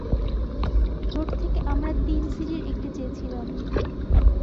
জোট থেকে আমরা তিন সিটির একটি চেয়েছিলাম।